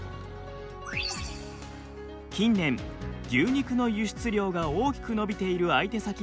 近年牛肉の輸出量が大きく伸びている相手先が中国です。